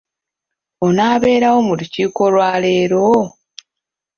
Onaabeerawo mu lukiiko lwa leero?